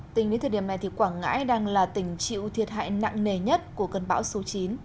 tính đến thời điểm này quảng ngãi đang là tỉnh chịu thiệt hại nặng nề nhất của cơn bão số chín